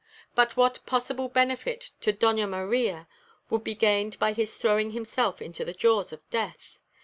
But what possible benefit to Doña Maria would be gained by his throwing himself into the jaws of death?